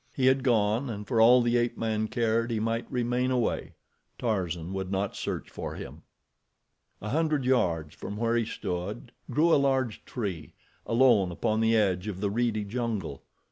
He had gone, and for all the ape man cared, he might remain away—Tarzan would not search for him. A hundred yards from where he stood grew a large tree, alone upon the edge of the reedy jungle.